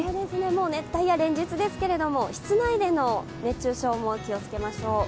熱帯夜連日ですけども、室内での熱中症も気をつけましょう。